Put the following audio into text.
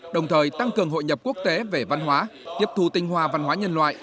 đồng thời tăng cường hội nhập quốc tế về văn hóa tiếp thu tinh hoa văn hóa nhân loại